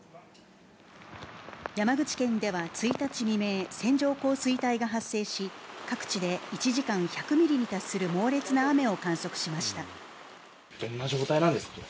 山口県では１日未明、線状降水帯が発生し、各地で１時間１００ミリに達する猛烈な雨を観どんな状態なんですか？